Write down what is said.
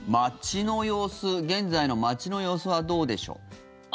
現在の街の様子はどうでしょう？